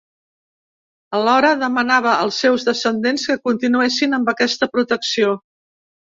Alhora, demanava als seus descendents que continuessin amb aquesta protecció.